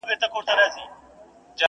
بله ورځ چي صحرايي راغی بازار ته!.